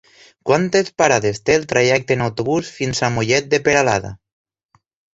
Quantes parades té el trajecte en autobús fins a Mollet de Peralada?